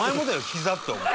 「膝」ってお前。